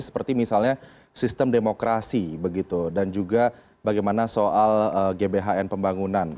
seperti misalnya sistem demokrasi dan juga bagaimana soal gbhn pembangunan